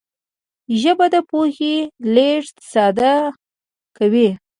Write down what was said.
ژبه د پوهې لېږد ساده کوي